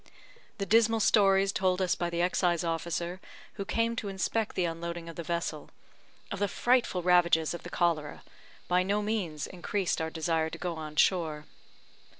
The dismal stories told us by the excise officer who came to inspect the unloading of the vessel, of the frightful ravages of the cholera, by no means increased our desire to go on shore.